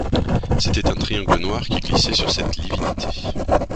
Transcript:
C’était un triangle noir qui glissait sur cette lividité.